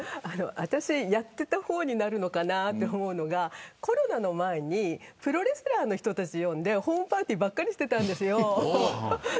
私、やっていた方になるのかなと思うのがコロナの前にプロレスラーの人とホームパーティーばっかりやっていたんですよ。